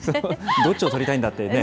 どっちを撮りたいんだってね。